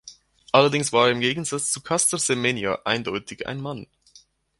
Allerdings war er im Gegensatz zu Caster Semenya eindeutig ein Mann.